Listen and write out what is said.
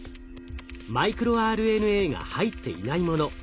マイクロＲＮＡが入っていないもの。